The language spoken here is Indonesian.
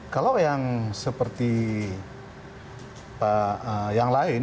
kalau yang seperti yang lain